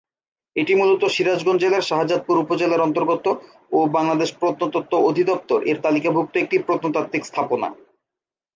এটি মূলত সিরাজগঞ্জ জেলার শাহজাদপুর উপজেলার অন্তর্গত ও বাংলাদেশ প্রত্নতত্ত্ব অধিদপ্তর এর তালিকাভুক্ত একটি প্রত্নতাত্ত্বিক স্থাপনা।